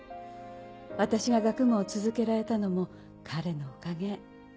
私が学問を続けられたのも彼のおかげ。